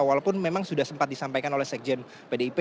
walaupun memang sudah sempat disampaikan oleh sekjen pdip